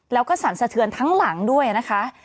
แล้วก็สั่นสะเทือนทั้งหลังด้วยนะคะ